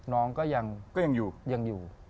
น้องก็ยังอยู่